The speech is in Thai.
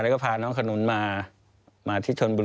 แล้วเขาสร้างเองว่าห้ามเข้าใกล้ลูก